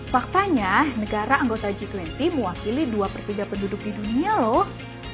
faktanya negara anggota g dua puluh mewakili dua per tiga penduduk di dunia loh